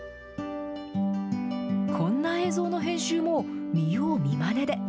こんな映像の編集も、見よう見まねで。